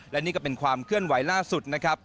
และนี่ก็เป็นความเคลื่อนไหวล่าสุดนะครับ